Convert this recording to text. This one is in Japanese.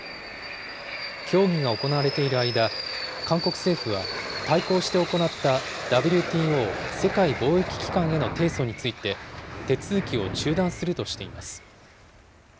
協議が行われている間、韓国政府は、対抗して行ったＷＴＯ・世界貿易機関への提訴について、手続きを中断するとしています。